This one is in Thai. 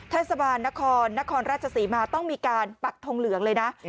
เทศบาลนครนครราชศรีมาต้องมีการปักทงเหลืองเลยนะ